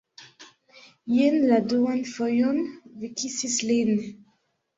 Jen la duan fojon vi kisis lin